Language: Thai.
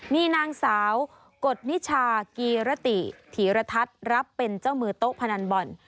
มีนางสาวกฎนิชากีรติถีรทัศน์รับเป็นเจ้ามือโต๊ะพนันบ่อน